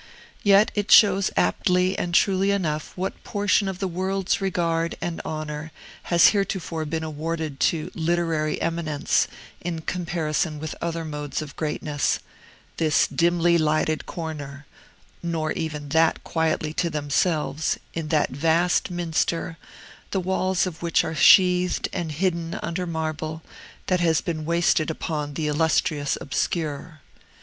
Yet it shows aptly and truly enough what portion of the world's regard and honor has heretofore been awarded to literary eminence in comparison with other modes of greatness, this dimly lighted corner (nor even that quietly to themselves) in the vast minster, the walls of which are sheathed and hidden under marble that has been wasted upon the illustrious obscure.